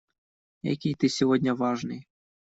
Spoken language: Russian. Экий ты сегодня важный!